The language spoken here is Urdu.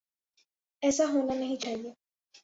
ایسا ہونا نہیں چاہیے۔